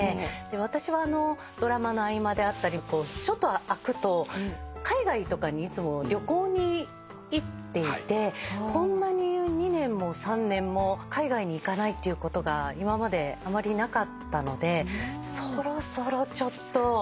私はドラマの合間であったりちょっと空くと海外とかにいつも旅行に行っていてこんなに２年も３年も海外に行かないっていうことが今まであまりなかったのでそろそろちょっと。